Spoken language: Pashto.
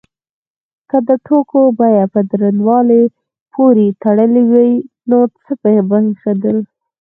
که د توکو بیه په دروندوالي پورې تړلی وای نو څه به پیښیدل؟